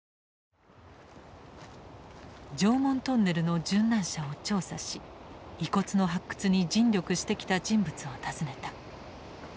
常紋トンネルの殉難者を調査し遺骨の発掘に尽力してきた人物を訪ねた。